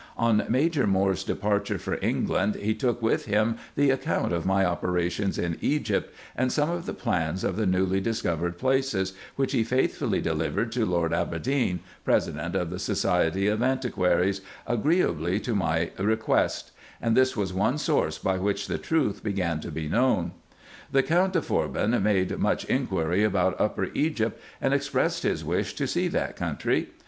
On Major Moore's departure for England, he took with him the account of my operations in Egypt, and some of the plans of the newly discovered places, which he faithfully delivered to Lord Aberdeen, president of the Society of Antiquaries, agreeably to my request ; and this was one source by which the truth began to be known. The Count de Forbin made much inquiry about Upper Egypt, and expressed his wish to see that country.